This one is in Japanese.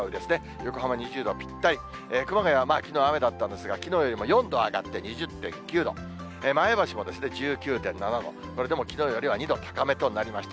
横浜２０度ぴったり、熊谷、きのう雨だったんですが、きのうよりも４度上がって、２０．９度、前橋も１９．７度、これでもきのうよりは２度高めとなりました。